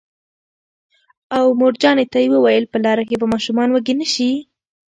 او مورجانې ته یې وویل: په لاره کې به ماشومان وږي نه شي